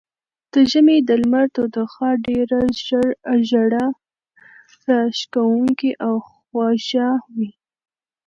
د ژمي د لمر تودوخه ډېره زړه راښکونکې او خوږه وي.